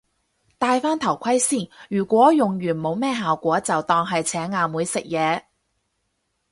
戴返頭盔先，如果用完冇咩效果就當係請阿妹食嘢